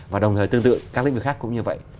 và đồng thời tương tự các lĩnh vực khác cũng như vậy